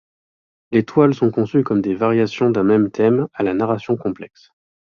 Les toiles sont conçues comme des variations d'un même thème, à la narration complexe.